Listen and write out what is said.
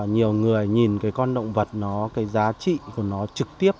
nhiều người nhìn con động vật cái giá trị của nó trực tiếp